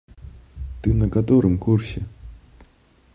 Ты на каторым курсе?